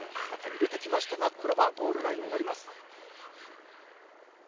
入れてきましたがゴールラインを割ります。